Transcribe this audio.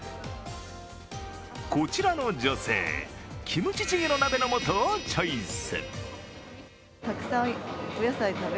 こちらの女性、キムチチゲの鍋の素をチョイス。